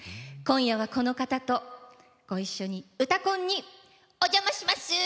今夜はこの方とご一緒に「うたコン」にお邪魔します！